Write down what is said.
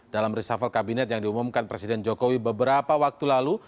dalam reshuffle kabinet yang diumumkan presiden jokowi beberapa waktu lalu